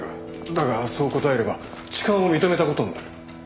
だがそう答えれば痴漢を認めた事になる。